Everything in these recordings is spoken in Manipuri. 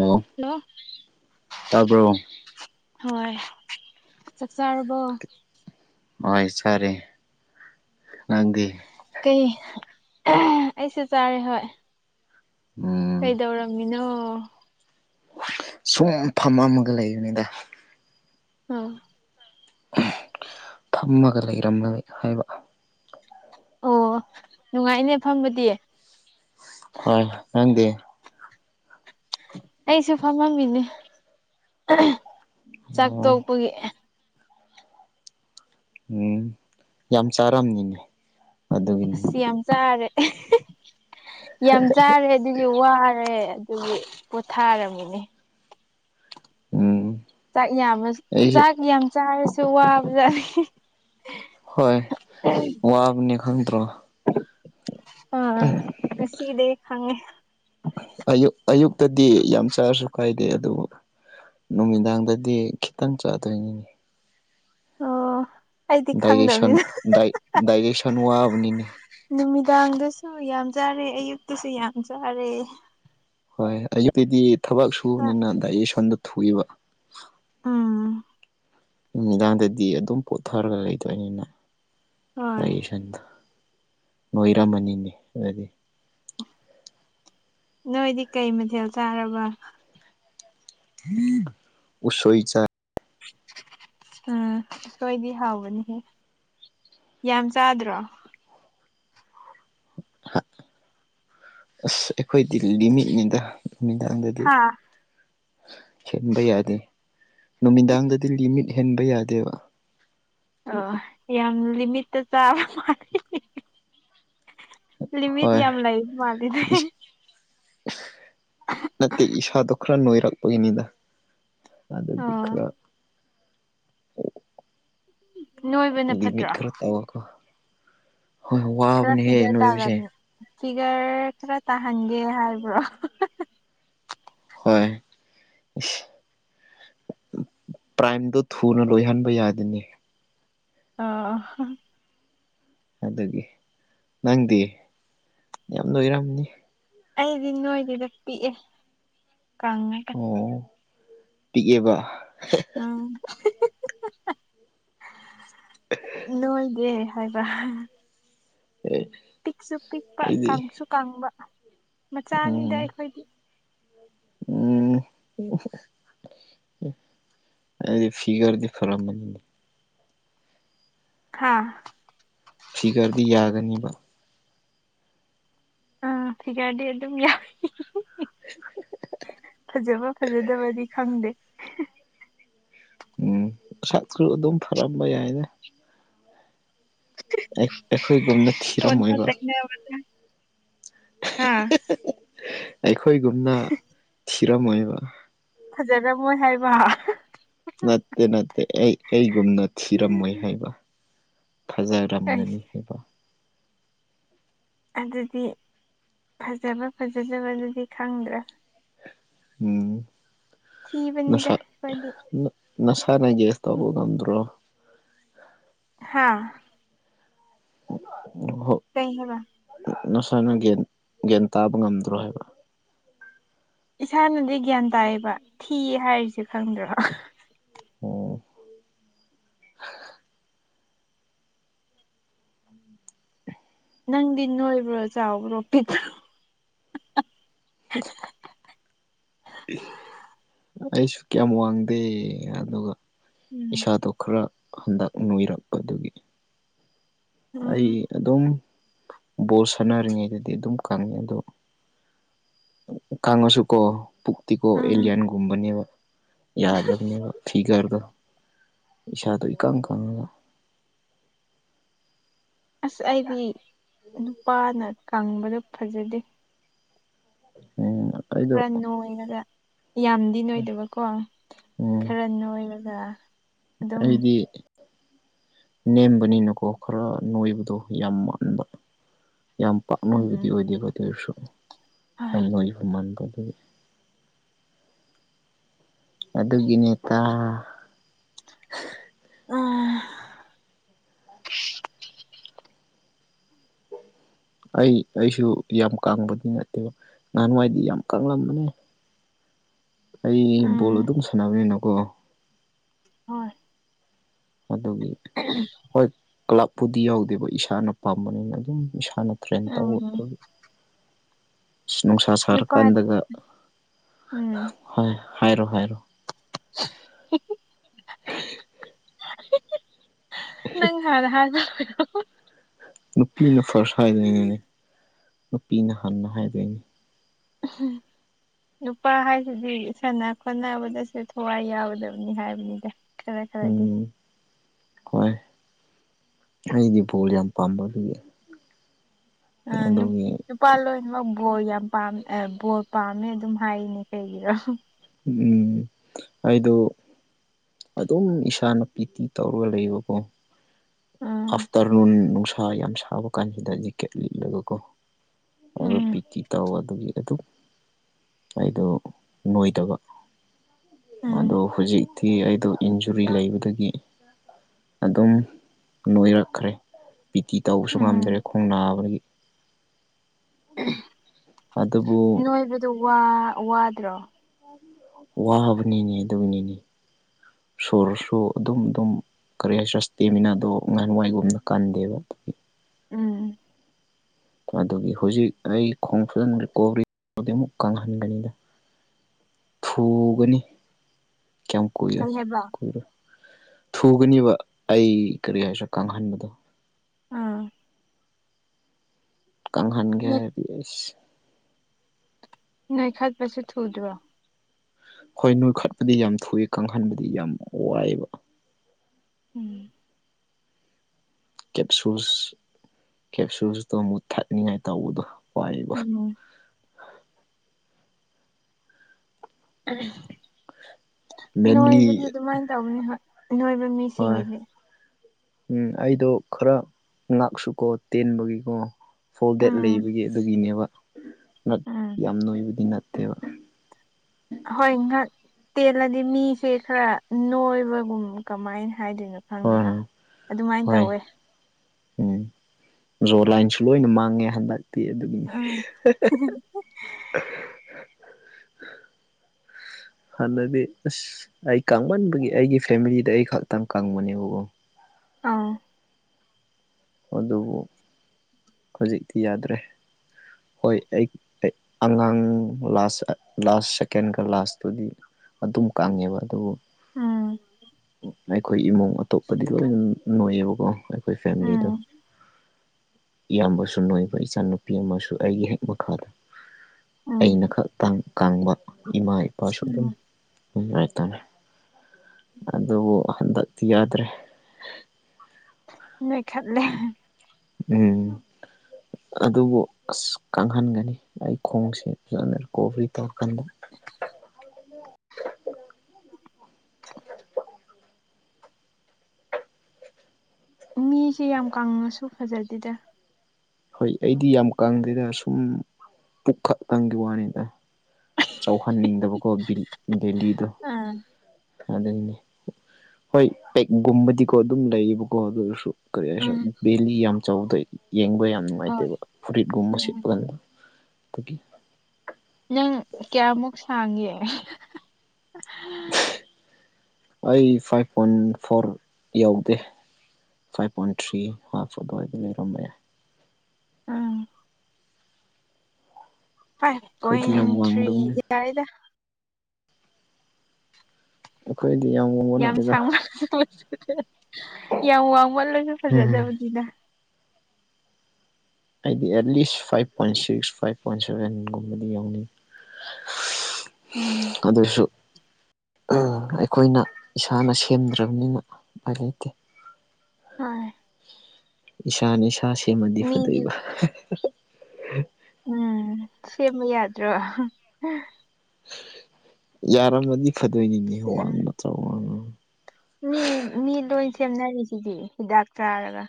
ꯑꯣ ꯍꯜꯂꯣ ꯇꯥꯄ ꯍꯣꯏ ꯆꯥꯛꯆꯥꯥꯔꯕꯣ ꯍꯣꯏ ꯐꯔꯦ ꯅꯪꯗꯦ ꯀꯩ ꯑꯩꯁꯨ ꯆꯥꯔꯦ ꯍꯣꯏ ꯎꯝ ꯀꯩꯗꯧꯔꯝꯃꯤꯅꯣ ꯁꯨꯝꯐꯝꯝ ꯑꯃꯒ ꯂꯩꯕꯅꯤꯗ ꯎꯝ ꯐꯝꯃꯒ ꯂꯩꯔꯝꯂꯣꯏ ꯍꯥꯏꯕ ꯑꯣ ꯅꯨꯡꯉꯥꯏꯅꯦ ꯐꯝꯕꯗꯤ ꯍꯣꯏ ꯈꯪꯗꯦ ꯑꯩꯁꯨ ꯐꯝꯃꯝꯃꯤꯅꯦ ꯆꯥꯛ ꯑꯣ ꯇꯣꯛꯄꯒꯤ ꯎꯝ ꯌꯥꯝ ꯆꯥꯔꯝꯅꯤꯅꯦ ꯑꯗꯨꯒꯤ ꯑ ꯌꯥꯝ ꯆꯥꯔꯦ ꯌꯥꯝ ꯆꯥꯔꯦ ꯑꯗꯨꯒꯤ ꯋꯥꯔꯦ ꯑꯗꯨꯕꯨ ꯄꯣꯊꯥꯔꯝꯃꯅꯦ ꯎꯝ ꯆꯥꯛ ꯌꯥꯝ ꯑꯩꯁꯨ ꯆꯥꯛ ꯌꯥꯝ ꯆꯥꯔꯁꯨ ꯋꯥꯕꯖꯥꯠꯦ ꯍꯣꯏ ꯋꯥꯕꯅꯤ ꯈꯪꯗ꯭ꯔꯣ ꯑꯣ ꯁꯤꯗꯦ ꯈꯪꯉꯦ ꯑꯌꯨ ꯑꯌꯨꯛꯇꯗꯤ ꯌꯥꯝ ꯆꯥꯔꯁꯨ ꯀꯥꯏꯗꯦ ꯑꯗꯨꯕꯨ ꯅꯨꯃꯤꯗꯥꯡꯗꯗꯤ ꯈꯤꯇꯪ ꯆꯥꯗꯣꯏꯅꯤꯅꯦ ꯑꯣ ꯑꯩꯗꯤ ꯗꯥꯏꯔꯦꯛꯁꯟ ꯈꯪꯗꯕꯅꯤꯅ ꯗꯥꯏꯔꯦꯛꯁꯟ ꯋꯥꯕꯅꯤꯅꯦ ꯅꯨꯃꯤꯗꯥꯡꯗꯁꯨ ꯌꯥꯝ ꯆꯥꯔꯦ ꯑꯌꯨꯛꯇꯁꯨ ꯌꯥꯝ ꯆꯥꯔꯦ ꯍꯣꯏ ꯑꯌꯨꯛꯇꯀꯤꯗꯤ ꯊꯕꯛ ꯆꯥꯛ ꯁꯨꯕꯅꯤꯅ ꯗꯥꯏꯖꯦꯁꯟꯗ ꯊꯣꯛꯏꯕ ꯑꯥ ꯅꯨꯃꯤꯗꯥꯡꯗꯗꯤ ꯑꯗꯨꯝ ꯄꯣꯊꯔꯒ ꯂꯩꯗꯣꯏꯅꯤꯅ ꯍꯣꯏ ꯂꯥꯏ ꯌꯦꯁꯟꯗ ꯅꯣꯏꯔꯝꯃꯅꯤꯅꯦ ꯑꯗꯨꯗꯤ ꯅꯣꯏꯗꯤ ꯀꯩ ꯃꯊꯦꯜ ꯆꯥꯔꯕ ꯎꯁꯣꯏ ꯆ ꯎꯝ ꯁꯁꯣꯏꯗꯤ ꯍꯥꯎꯕꯅꯤꯍꯦ ꯌꯥꯝ ꯆꯥꯗ꯭ꯔꯣ ꯑꯁ ꯑꯩꯈꯣꯏꯗꯤ ꯅꯨꯃꯤꯠꯃꯤꯗꯥꯡ ꯅꯨꯃꯤꯗꯥꯡꯗꯗꯤ ꯍꯥ ꯍꯦꯟꯕ ꯌꯥꯗꯦ ꯅꯨꯃꯤꯗꯥꯡꯗꯗꯤ ꯂꯤꯃꯤꯠ ꯍꯦꯟꯕ ꯌꯥꯗꯦꯕ ꯑꯣ ꯌꯥꯝ ꯂꯤꯃꯤꯠꯇ ꯆꯥꯕ ꯃꯥꯂꯦ ꯂꯤꯃꯤꯠ ꯍꯣꯏ ꯌꯥꯝ ꯂꯩ ꯃꯥꯜꯂꯤꯗꯤ ꯅꯠꯇꯦ ꯏꯁꯥꯗꯣ ꯈꯔ ꯅꯣꯏꯔꯛꯄꯒꯤꯅꯤꯗ ꯑꯗꯨꯗꯤ ꯑꯣ ꯈꯔ ꯅꯣꯏꯕꯅ ꯂꯤꯃꯤꯠ ꯐꯠꯇ꯭ꯔꯥ ꯈꯔ ꯇꯧꯔꯀꯣ ꯍꯣꯏ ꯈꯔ ꯋꯥꯕꯅꯦꯍꯦ ꯐꯤꯒꯔ ꯅꯣꯏꯕꯁꯦ ꯇꯥꯒꯅꯤ ꯐꯤꯒꯔ ꯈꯔ ꯇꯥꯍꯟꯒꯦ ꯍꯥꯏꯕ꯭ꯔꯣ ꯍꯣꯏ ꯄ꯭ꯔꯥꯏꯝꯗꯣ ꯊꯨꯅ ꯂꯣꯏꯍꯟꯕ ꯌꯥꯗꯅꯤ ꯑ ꯑꯗꯨꯗꯒꯤ ꯅꯪꯗꯤ ꯌꯥꯝ ꯂꯣꯏꯔꯝꯅꯤ ꯑꯩꯗꯤ ꯅꯣꯏꯒꯤꯗ ꯄꯤꯛꯑꯦ ꯀꯪꯉꯦ ꯑꯣ ꯄꯤꯛꯑꯦꯕ [unintelligible] ꯅꯣꯏꯗꯦ ꯍꯥꯏꯕ [unintelligible] ꯄꯤꯛꯁꯨ ꯄꯤꯛꯄ ꯑꯩꯗꯤ ꯀꯥꯡꯁꯨ ꯀꯥꯡꯕ ꯃꯆꯥ ꯑꯅꯤꯗ ꯎꯝ ꯑꯩꯈꯣꯏꯗꯤ ꯎꯝ ꯑꯩꯗꯤ ꯐꯤꯒꯔꯗꯤ ꯐꯔꯝꯅꯤ ꯍꯥꯥ ꯐꯤꯒꯔꯗꯤ ꯌꯥꯒꯅꯤꯕ ꯑꯥ ꯊꯤꯒꯗꯤ ꯑꯗꯨ ꯑꯗꯨꯝ ꯌꯥ ꯐꯖꯕ ꯐꯖꯗꯕꯗꯤ ꯈꯪꯗꯦ ꯎꯝ ꯁꯛꯁꯨ ꯑꯗꯨꯝ ꯐꯔꯝꯕ ꯌꯥꯏꯅꯦ ꯑꯦ ꯑꯦꯈꯣꯏ ꯒꯨꯝ ꯅ ꯑꯣꯩꯅ ꯍꯥꯥ ꯑꯩꯈꯣꯏꯒꯨꯝꯅ ꯊꯤꯔꯝꯃꯣꯏꯕ ꯐꯥꯖꯔꯝ ꯃꯣꯏ ꯍꯥꯏꯕ ꯅꯠꯇꯦ ꯅꯠꯇꯦ ꯑꯩ ꯑꯩꯒꯨꯝꯅ ꯊꯤꯔꯝꯃꯣꯏ ꯍꯥꯏꯕ ꯈꯖꯥ ꯔꯝꯅꯤ ꯑꯩꯁ ꯍꯥꯏꯩꯕ ꯑꯗꯨꯗꯤ ꯐꯖꯕ ꯐꯖꯗꯕꯗꯨꯗꯤ ꯈꯪꯗ꯭ꯔꯥ ꯎꯝ ꯊꯤꯕꯅꯤꯗ ꯃꯥꯗꯤ ꯅꯁꯥꯅꯒꯦꯁ ꯇꯒꯣꯗꯟ꯭ꯔꯣ ꯍꯥꯥ [unintelligible] ꯀꯩ ꯍꯥꯏꯕ ꯅꯁꯥꯅ ꯒ ꯒꯟ ꯇꯥꯕ ꯉꯝꯗ꯭ꯔꯣ ꯍꯥꯏꯕ ꯏꯁꯥꯅꯗꯤ ꯒ꯭ꯌꯥꯟ ꯇꯥꯏꯌꯦꯕ ꯊꯤ ꯍꯥꯏꯔꯤꯁꯦ ꯈꯪꯗ꯭ꯔꯣ ꯑꯣ ꯎꯝ ꯅꯪꯗꯤ ꯅꯣꯏꯕ꯭ꯔꯣ ꯆꯥꯎꯕ꯭ꯔꯣ ꯄꯤꯠꯇ꯭ꯔꯣ [unintelligible] ꯑꯩꯁꯨ ꯀꯌꯥꯝ ꯋꯥꯡꯗꯦ ꯑꯗꯨꯒ ꯎꯝ ꯏꯁꯥꯗꯣ ꯈꯔ ꯍꯟꯗꯛ ꯅꯣꯏꯔꯛꯄꯗꯨꯒꯤ ꯑꯩ ꯎꯝ ꯑꯗꯨꯝ ꯕꯣꯜ ꯁꯥꯟꯅꯔꯤꯉꯩꯗꯗꯤ ꯑꯗꯨꯝ ꯀꯪꯉꯦ ꯑꯗꯣ ꯀꯥꯉꯁꯨ ꯀꯧꯕ ꯄꯨꯛꯇꯇ ꯀꯧꯕ ꯎꯝ ꯑꯦꯂꯤꯂꯤꯌꯥꯟꯒꯨꯝꯕꯕ ꯌꯥꯗꯕꯅꯦꯕ ꯐꯤꯒꯔꯗ ꯏꯁꯥꯗꯣ ꯏꯀꯪ ꯈꯪꯉꯒ ꯑꯁ ꯑꯩꯗꯤ ꯅꯨꯄꯥꯅ ꯀꯪꯕꯗꯣ ꯐꯖꯗꯦ ꯎꯝ ꯑꯩꯗꯣ ꯈꯔ ꯅꯣꯏꯔꯒ ꯌꯥꯝꯗꯤ ꯅꯣꯏꯗꯕꯀꯣ ꯎꯝ ꯈꯔ ꯅꯣꯏꯔꯒ ꯑꯗꯨꯝ ꯑꯩꯗꯤ ꯅꯦꯝꯕꯅꯤꯅꯀꯣ ꯈꯔ ꯅꯣꯏꯕꯗꯣ ꯌꯥꯝ ꯃꯥꯟꯕ ꯌꯥꯝ ꯄꯥꯛꯅꯣꯏꯕꯗꯤ ꯎꯝ ꯑꯣꯏꯗꯦꯕ ꯑꯗꯨ ꯑꯣꯏꯔꯁꯨ ꯌꯥꯝ ꯍꯣꯏ ꯅꯣꯏꯕ ꯃꯥꯟꯕ ꯑꯗꯨ ꯑꯗꯨꯒꯤꯅꯤꯗ ꯎꯝ ꯑꯩ ꯑꯩꯁꯨ ꯌꯥꯝ ꯀꯪꯕꯗꯤ ꯅꯠꯇꯦꯕ ꯅꯍꯥꯟꯋꯥꯏꯗꯤ ꯌꯥꯝ ꯀꯂꯝꯕꯅꯦ ꯑꯩ ꯎꯝ ꯕꯣꯜ ꯑꯗꯨꯝ ꯁꯥꯟꯅꯕꯅꯤꯅꯀꯣ ꯍꯣꯏ ꯑꯗꯨꯒꯤ ꯍꯣꯏ ꯀ꯭ꯂꯕꯄꯨꯗꯤ ꯌꯥꯎꯗꯦꯕ ꯏꯁꯥꯅ ꯄꯥꯝꯕꯅꯤꯅ ꯑꯗꯨꯝ ꯏꯁꯥꯅ ꯇ꯭ꯔꯦꯟ ꯇꯧꯕ ꯎꯝ ꯑ ꯅꯨꯡꯁꯥ ꯅꯨꯄꯥ ꯁꯥꯔꯀꯥꯟꯗꯒ ꯎꯝ ꯍꯣꯏ ꯍꯥꯏꯔꯣ ꯍꯥꯏꯔꯣ [inaudible] ꯅꯪ ꯍꯥꯏ ꯅꯨꯄꯤꯅ ꯐꯥꯔꯁ ꯍꯥꯏꯗ꯭ꯣꯏꯉꯅꯦ ꯅꯨꯄꯤꯅ ꯍꯟꯅ ꯍꯥꯏꯗꯣꯏꯅꯤ ꯍꯝ ꯅꯨꯄꯥ ꯍꯥꯏꯁꯤꯗꯤ ꯁꯥꯟꯅ ꯈꯣꯠꯅꯕꯗꯁꯨ ꯊꯋꯥꯏ ꯌꯥꯎꯒꯗꯕꯅꯤ ꯍꯥꯏꯕꯅꯤꯗ ꯈꯔ ꯈꯔꯗꯤ ꯎꯝ ꯍꯣꯏ ꯑꯩꯒꯤ ꯕꯣꯜ ꯌꯥꯝ ꯄꯥꯝꯕ ꯑꯗꯨꯒꯤ ꯑ ꯑꯗꯨꯒꯤ ꯅꯨꯄꯥ ꯂꯣꯏꯅꯃꯛ ꯕꯣꯔꯜ ꯌꯥꯝ ꯄꯥꯝꯃꯦ ꯕꯣꯔꯜ ꯄꯥꯝꯃꯦ ꯑꯗꯨꯝ ꯍꯥꯏꯔꯤꯅꯦ ꯀꯩꯒꯤꯔꯣ ꯎꯝ ꯑꯩꯗꯨ ꯑꯗꯨꯝ ꯏꯁꯥꯅ ꯄꯤ ꯇꯤ ꯇꯧꯔꯒ ꯂꯩꯕꯀꯣ ꯎꯝ ꯑꯐꯇꯔꯅꯟ ꯅꯨꯡꯁꯥ ꯌꯥꯝ ꯌꯥꯝ ꯁꯥꯕꯀꯥꯟ ꯆꯗ ꯦꯀꯦꯠ ꯂꯒ ꯀꯧꯕ ꯑꯗꯨꯒ ꯎꯝ ꯄꯤꯇꯤ ꯇꯧ ꯑꯗꯨꯒꯤ ꯑꯗꯨ ꯑꯩꯗꯣ ꯅꯣꯏꯗꯕ ꯑꯗꯣ ꯎꯝ ꯍꯧꯖꯤꯛꯇꯤ ꯑꯩꯗꯣ ꯏꯟꯖꯨꯔꯤ ꯂꯩꯕꯗꯒꯤ ꯑꯗꯨꯝ ꯅꯣꯏꯔꯛꯈ꯭ꯔꯦ ꯕꯤ ꯇꯤ ꯇꯧꯕꯁꯨ ꯉꯝꯗ꯭ꯔꯦ ꯎꯝ ꯈꯣꯡ ꯅꯥꯕꯗꯒꯤ ꯑꯗꯨꯕꯨ ꯅꯣꯏꯕꯗꯣ ꯋꯥꯗ꯭ꯔꯣ ꯋꯥꯕꯅꯤꯅꯦ ꯑꯗꯨꯒꯤꯅꯤꯅꯦ ꯁꯣꯔꯁꯨ ꯑꯗꯨꯝ ꯑꯗꯨꯝ ꯀꯔꯤ ꯍꯥꯏ ꯆꯁꯇꯦꯃꯤꯅ ꯑꯗꯣ ꯑꯍꯥꯟ ꯋꯥꯏꯒꯨꯝꯅ ꯀꯟꯗꯦꯕ ꯎꯝ ꯑꯗꯨꯒꯤ ꯍꯧꯖꯤꯛ ꯑꯩ ꯈꯣꯡ ꯐꯨꯗꯅ ꯀꯣꯔꯤꯗꯤ ꯑꯃꯨꯛ ꯀꯪꯍꯟꯒꯅꯤꯗ ꯊꯨꯒꯅꯤ ꯀ ꯀꯨꯏꯔꯣꯏ ꯀꯩ ꯍꯥꯏꯕ ꯀꯨꯏꯔꯣꯏ ꯊꯨꯒꯅꯦꯕ ꯑꯩ ꯀꯔꯤ ꯍꯥꯏꯁꯤ꯭ꯔꯥ ꯀꯥꯡꯪꯍꯟꯕꯗꯣ ꯑꯥ ꯀꯪꯍꯟꯒꯦ ꯅꯣꯏ ꯍꯥꯏꯔꯗꯤ ꯑꯩꯁ ꯅꯣꯏꯈꯥ ꯄꯁꯤ ꯊꯧꯗꯣ ꯍꯣꯏ ꯅꯣꯏꯈꯠꯄꯗꯤ ꯌꯥꯝ ꯊꯨꯏ ꯀꯪꯍꯟꯕꯗꯤ ꯌꯥꯝ ꯋꯥꯏꯑꯕ ꯎꯝ ꯀꯦꯞꯁꯨꯁ ꯀꯦꯞꯁꯨꯁꯇꯣ ꯑꯃꯨꯛ ꯊꯛꯅꯤꯡꯉꯥꯏ ꯇꯧꯕꯗꯣ ꯋꯥꯏꯑꯦꯕ ꯎ ꯅꯣꯏꯕꯗꯤ ꯃꯦꯟꯂꯤ ꯑꯗꯨꯃꯥꯏꯅ ꯇꯧꯕꯅꯤ ꯍꯣꯏ ꯅꯣꯏꯕ ꯍꯣꯏ ꯃꯤꯁꯤꯡꯒꯤꯗꯤ ꯎꯝ ꯑꯩꯗꯣ ꯈꯔ ꯉꯥꯛꯁꯨꯀꯣ ꯇꯦꯟꯕꯒꯤꯀꯣ ꯐꯣꯜ ꯗꯦꯠ ꯎꯝ ꯂꯩꯕꯒꯤ ꯑꯗꯨꯒꯤꯅꯦꯕ ꯎꯝ ꯌꯥꯝ ꯅꯣꯏꯕꯗꯤ ꯅꯠꯇꯦꯕ ꯍꯣꯏ ꯉꯥꯛ ꯇꯦꯜꯂꯗꯤ ꯃꯤꯁꯦ ꯈꯔ ꯅꯣꯏꯕꯒꯨꯝ ꯀꯃꯥꯏꯅ ꯍꯥꯏꯗꯣꯏꯅꯣ ꯈꯪꯗꯦ ꯍꯣꯏ ꯑꯗꯨꯃꯥꯏꯅ ꯍꯣꯏ ꯍꯣꯏ ꯇꯧꯋꯦ ꯔꯖꯣ ꯂꯥꯏꯟꯁꯨ ꯂꯣꯏꯅ ꯃꯥꯡꯉꯦ ꯍꯟꯗꯛꯇꯤ ꯑꯗꯨꯒꯤꯅꯤ ꯎꯝ [unintelligible] ꯍꯥꯟꯅꯗꯤ ꯑꯁ ꯑꯩ ꯀ ꯀꯥꯡꯃꯟꯕꯒꯤ ꯑꯩꯒꯤ ꯐꯦꯃꯤꯂꯤꯗ ꯑꯩ ꯈꯛꯇꯪ ꯀꯪꯕꯅꯦꯕꯀꯣ ꯑꯥ ꯑꯗꯨꯕꯨ ꯍꯧꯖꯤꯛꯇꯤ ꯌꯥꯗ꯭ꯔꯦ ꯍꯣꯏ ꯑꯩ ꯑꯉꯥꯡ ꯂꯥꯁ ꯂꯥꯁ ꯁꯦꯀꯦꯟꯒ ꯂꯥꯁꯇꯨꯗꯤ ꯑꯗꯨꯝ ꯀꯪꯉꯦꯕ ꯑꯗꯨꯕꯨ ꯎꯥ ꯑꯩꯈꯣꯏ ꯏꯃꯨꯡ ꯑꯇꯣꯞꯄꯗꯤ ꯂꯣꯏꯅ ꯅꯣꯏꯌꯦꯕꯀꯣ ꯑꯩꯈꯣꯏ ꯐꯦꯃꯤꯂꯤꯗꯣ ꯎꯝ ꯏꯌꯥꯝꯕꯁꯨ ꯅꯣꯏꯕ ꯏꯆꯥꯅꯨꯄꯤ ꯑꯃꯁꯨ ꯑꯩꯒꯤ ꯍꯦꯛ ꯃꯈꯥꯗ ꯎꯝ ꯑꯩꯅ ꯈꯛꯇꯥꯡ ꯀꯥꯡꯕ ꯏꯃꯥ ꯏꯄꯥꯁꯨ ꯑꯗꯨꯝꯝ ꯎꯝ ꯂꯥꯏ ꯇꯝꯃꯦ ꯑꯗꯨꯕꯨ ꯍꯟꯗꯛꯇꯤ ꯌꯥꯗ꯭ꯔꯦ ꯏꯈꯥꯂꯦ ꯎꯝ ꯑꯗꯨꯕꯨ ꯑꯁ ꯀꯪꯍꯟꯒꯅꯤ ꯑꯩ ꯈꯣꯡꯁꯦ ꯐꯖꯅ ꯔꯤꯀꯣꯚꯔꯤ ꯇꯧꯔꯀꯥꯟꯗ ꯃꯤꯁꯦ ꯌꯥꯝ ꯀꯪꯉꯁꯨ ꯐꯖꯗꯦꯗ ꯍꯣꯏ ꯑꯩꯗꯤ ꯌꯥꯝ ꯀꯪꯗꯦꯗ ꯁꯨꯝ ꯄꯨꯛꯈꯛꯇꯪꯒꯤ ꯋꯥꯅꯤꯅ ꯆꯥꯎꯧꯍꯟꯅꯤꯡꯗꯕꯀꯣ ꯕꯦꯂꯤꯗꯣ ꯑꯥ ꯑꯗꯨꯗꯩꯅꯦ ꯍꯣꯏ ꯄꯦꯛꯒꯨꯝꯕꯗꯤꯀꯣ ꯑꯗꯨꯝ ꯂꯩꯌꯦꯕꯀꯣ ꯑꯗꯨꯔꯁꯨ ꯀꯔꯤ ꯍꯥꯏ ꯎꯝ ꯕꯦꯂꯤ ꯌꯥꯝ ꯆꯥꯎꯗꯦ ꯌꯦꯡꯕ ꯌꯥꯝ ꯌꯥꯝ ꯍꯣꯏ ꯅꯨꯡꯉꯥꯏꯇꯦꯕ ꯐꯨꯔꯤꯠꯀꯨꯝꯕ ꯎꯝ ꯁꯦꯠꯄ ꯀꯟꯗ ꯑꯗꯨꯒꯤ ꯅꯪ ꯀꯌꯥꯃꯨꯛ ꯁꯥꯡꯒꯦ ꯑꯩ ꯐꯥꯏꯚ ꯄꯣꯏꯟ ꯐꯣꯔ ꯌꯎꯗꯦ ꯐꯥꯏꯚ ꯄꯣꯏꯟ ꯊ꯭ꯔꯤ ꯐꯞ ꯑꯗꯨꯋꯥꯏꯗ ꯂꯩꯔꯝꯕ ꯌꯥꯏ ꯎꯝ ꯐꯥꯏꯚ ꯑꯩꯈꯣꯏꯗꯤ ꯄꯣꯏꯟ ꯌꯥꯝ ꯊ꯭ꯔꯤ ꯋꯥꯡꯗꯕꯅꯤ ꯌꯥꯔꯦꯗ ꯑꯩꯈꯣꯏꯗꯤ ꯌꯥꯝ ꯋꯥꯡꯕ ꯌꯥꯝ ꯅꯠꯇꯦꯗ ꯁꯥꯡꯃꯜꯂ ꯂꯁꯨ ꯌꯥꯝ ꯋꯥꯡꯃꯜꯂꯣꯏꯁꯨ ꯎꯝ ꯐꯖꯗꯕꯅꯤꯅ ꯑꯩꯗꯤ at least five point six five point ꯁꯚꯦꯟꯒꯨꯝꯕꯗꯤ ꯌꯥꯎꯅꯩ ꯎꯝ ꯑꯗꯁꯨ ꯑꯩꯈꯣꯏꯅ ꯏꯁꯥꯅ ꯁꯦꯝꯗ꯭ꯔꯕꯅꯤꯅ ꯍꯥꯏ ꯂꯩꯇꯦ ꯍꯣꯏ ꯏꯁꯥꯅ ꯏꯁꯥ ꯁꯦꯝꯃꯗꯤ ꯃꯤꯗꯤ ꯐꯗꯣꯛꯕ ꯎꯝ ꯁꯦꯝꯕ ꯌꯥꯗ꯭ꯔꯣ ꯌꯥꯔꯝꯃꯗꯤ ꯐꯗꯣꯏꯅꯤꯅꯦꯡ ꯅꯠꯇ꯭ꯔ ꯋꯥ ꯃꯤ ꯃꯤ ꯂꯣꯏ ꯁꯦꯝꯅꯔꯤꯁꯤꯗꯤ ꯍꯤꯗꯥꯛ ꯆꯥꯔꯒ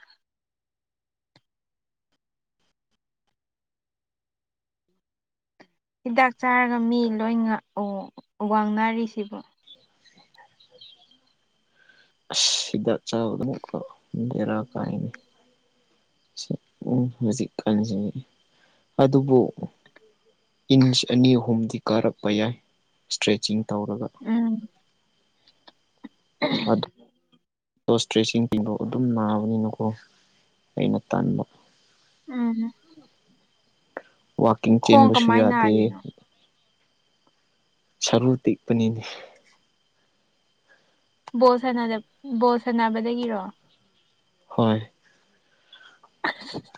ꯍꯤꯗꯥꯛ ꯆꯥꯔꯒ ꯃꯤ ꯂꯣꯏ ꯋꯥꯡꯅꯔꯤꯁꯤꯕ ꯁꯤꯗꯥꯛ ꯆ ꯑꯗꯨꯀ ꯗꯦꯔꯥ ꯀꯥꯏꯅꯤ ꯎ ꯍꯧꯖꯤꯛꯀꯥꯟꯁꯤꯅꯤ ꯑꯗꯨꯕꯨ ꯏꯟꯁ ꯑꯅꯤ ꯑꯍꯨꯝꯗꯤ ꯀꯥꯔꯛꯄ ꯌꯥꯏ ꯏꯁꯇ꯭ꯔꯦꯆꯤꯡ ꯇꯧꯔꯒ ꯎꯝ ꯑ [unintelligible] ꯑꯣ ꯏꯁꯇ꯭ꯔꯦꯁꯤꯡꯁꯤꯡꯤꯡꯗꯣ ꯑꯗꯨꯝ ꯅꯥꯕꯅꯤꯅꯀꯣ ꯑꯩꯅ ꯇꯟꯥꯟꯕ ꯎꯝ ꯋꯥꯋꯥꯛꯀꯤꯡ ꯈꯣꯡ ꯆꯦꯟꯕꯁꯨ ꯀꯃꯥꯏꯅ ꯌꯥꯗꯦ ꯅꯥꯔꯤꯅꯣ ꯁꯔꯨ ꯇꯤꯛꯄꯅꯤꯅꯦ ꯕꯣꯜ ꯁꯥꯟꯅ ꯕꯣꯜ ꯁꯥꯟꯅꯕꯗꯒꯤꯔꯣ ꯍꯣꯏ [unintelligible]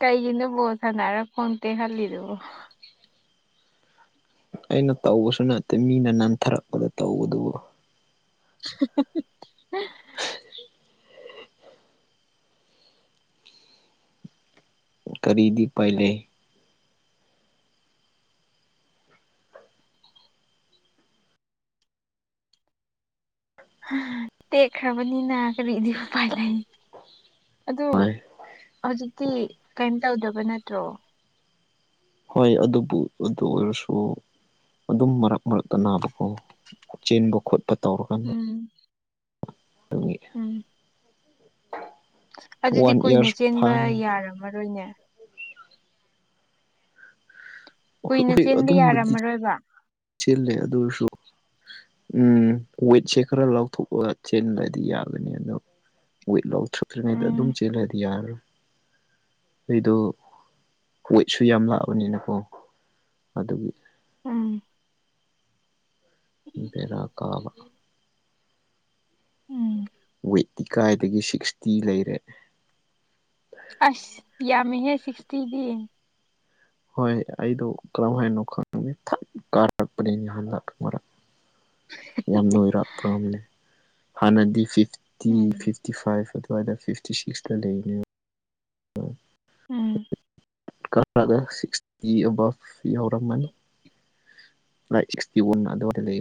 ꯀꯩꯒꯤꯅꯕꯨꯣꯠ ꯁꯥꯟꯅꯔ ꯈꯣꯡꯗꯦ ꯈꯜꯂꯤꯗꯨꯕꯣ ꯑꯩꯅ ꯇꯧꯕꯁꯨ ꯅꯠꯇꯦ ꯃꯤꯅ ꯅꯟꯊꯔꯛꯄꯗ ꯇꯧꯕꯗꯨꯕꯨ [unintelligible] [unintelligible] ꯀꯔꯤꯗꯤ ꯄꯥꯏ ꯂꯩ ꯇꯦꯛꯈ꯭ꯔꯕꯅꯤꯅ ꯀꯔꯤꯗꯤ ꯎ ꯄꯥꯏ ꯂꯩ ꯑꯗꯨ ꯍꯧꯖꯤꯛꯇꯤ ꯀꯩꯅꯝ ꯇꯧꯗꯕ ꯅꯠꯇ꯭ꯔꯣ ꯍꯣꯏ ꯑꯗꯨꯕꯨ ꯑꯗꯨ ꯑꯣꯏꯔꯁꯨ ꯑꯗꯨꯝ ꯃꯔꯛ ꯃꯔꯛꯇ ꯅꯥꯕꯀꯣ ꯆꯦꯟꯕ ꯈꯣꯠꯄ ꯇꯧꯔꯀꯥꯟꯗ ꯎꯝ ꯇꯨꯡꯉꯤ ꯎꯝ ꯑꯗꯨꯗꯤ ꯋꯥꯟ ꯀꯨꯏꯅ ꯏꯌꯥꯔ ꯆꯦꯟꯕ ꯐꯥꯅꯤ ꯌꯥꯔꯝꯃꯔꯣꯏꯅꯦ ꯀꯨꯏꯅ ꯆꯦꯟꯕ ꯌꯥꯔꯝꯃꯔꯣꯏꯕ ꯁꯤ ꯂꯩꯦ ꯑꯗꯨꯁꯨ ꯎꯝ ꯋꯦꯠꯁꯦ ꯈꯔ ꯂꯥꯎꯊꯣꯛꯑꯒ ꯆꯦꯟꯗꯥꯗꯤ ꯌꯥꯒꯅꯤ ꯑꯗꯣ ꯋꯤꯠ ꯂꯧꯊ꯭ꯔꯛꯇ꯭ꯔꯤꯉꯩꯗ ꯑꯗꯨꯝ ꯎꯝ ꯆꯦꯜꯂꯗꯤ ꯌꯥꯔꯣꯏ ꯑꯩꯗꯣ ꯀꯣꯏꯠꯁꯨ ꯌꯥꯝ ꯂꯥꯛꯑꯕꯅꯤꯅꯀꯣ ꯑꯗꯨꯒꯤ ꯎꯝ ꯄꯦꯔ ꯀꯥꯕ ꯎꯝ ꯋꯦꯠꯇꯤ ꯀꯥꯏꯗꯒꯤ ꯁꯤꯛꯁꯇꯤ ꯂꯩꯔꯦ ꯑꯁ ꯌꯥꯝꯃꯤꯍꯦ ꯁꯤꯛꯁꯇꯤꯗꯤ ꯍꯣꯏ ꯑꯩꯗꯣ ꯀꯔꯝ ꯍꯥꯏꯅꯣ ꯈꯪꯅꯤ ꯊꯠ ꯀꯥꯔꯛꯄꯅꯦ ꯅꯍꯥꯟꯗꯥꯛ ꯃꯔꯛ ꯌꯥꯝꯅ ꯑꯣꯏꯔꯛꯄ꯭ꯔ ꯑꯃꯅꯦ ꯍꯥꯟꯅꯗꯤ ꯐꯤꯐꯇꯤ ꯎꯝ ꯐꯤꯐꯇꯤ ꯐꯤꯐꯇꯤ ꯐꯥꯏꯚ ꯑꯗꯨꯋꯥꯏꯗ ꯐꯤꯐꯇꯤ ꯁꯤꯛꯁꯇ ꯂꯩꯔꯤꯅꯤ ꯎꯝ ꯈꯔꯒ ꯁꯤꯛꯁꯇꯤ ꯑꯕꯞ ꯌꯥꯔꯝꯃꯅꯤ [unintelligible] ꯑꯗꯨꯋꯥꯏꯗ ꯂꯩꯌꯦ꯫